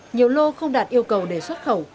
nhiều lô không đạt yêu cầu để xuất khẩu